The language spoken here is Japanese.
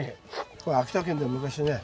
これ秋田県で昔ね